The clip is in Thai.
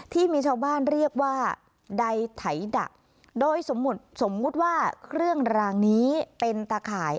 ที่มีชาวบ้านเรียกว่าใดไถดะโดยสมมุติสมมุติว่าเครื่องรางนี้เป็นตะข่าย